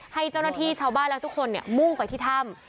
ให้เจ้าหน้าที่ชาวบ้านและทุกคนมุ่งไปที่ถ้ำ